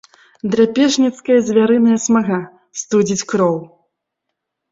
Драпежніцкая звярыная смага студзіць кроў.